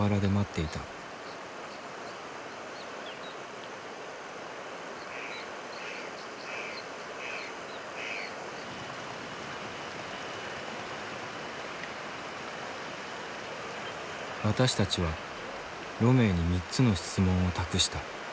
私たちはロメウに３つの質問を託した。